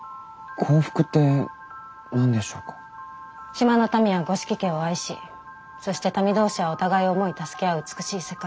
島の民は五色家を愛しそして民同士はお互いを思い助け合う美しい世界。